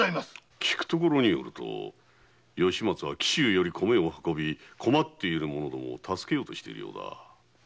聞くと吉松は紀州より米を運び困っている者どもを助けようとしているようだ。